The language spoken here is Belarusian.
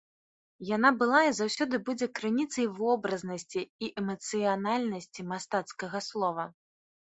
Яна была і заўсёды будзе крыніцай вобразнасці і эмацыянальнасці мастацкага слова.